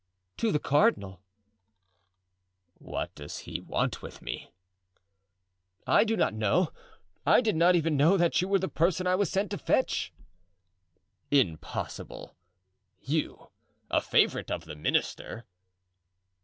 "To the cardinal." "What does he want with me?" "I do not know. I did not even know that you were the person I was sent to fetch." "Impossible—you—a favorite of the minister!"